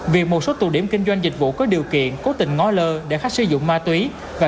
việc một số tù điểm kinh doanh dịch vụ có điều kiện cố tình ngó lơ để khách sử dụng ma túy